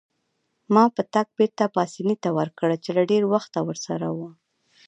ما پتک بیرته پاسیني ته ورکړ چې له ډیر وخته ورسره وو.